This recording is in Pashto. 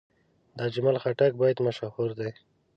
د اجمل خټک بیت مشهور دی.